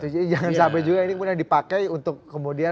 jadi jangan sampai juga ini dipakai untuk kemudian